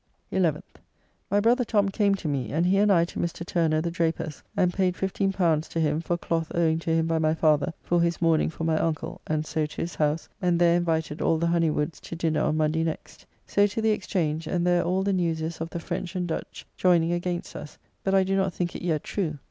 11th. My brother Tom came to me, and he and I to Mr. Turner the Draper's, and paid L15 to him for cloth owing to him by my father for his mourning for my uncle, and so to his house, and there invited all the Honiwood's to dinner on Monday next. So to the Exchange, and there all the news is of the French and Dutch joyning against us; but I do not think it yet true.